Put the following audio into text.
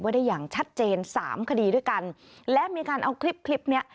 ว่าได้อย่างชัดเจน๓คดีด้วยกันและมีการเอาคลิปนี้